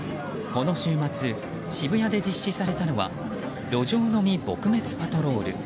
この週末渋谷で実施されたのは路上飲み撲滅パトロール。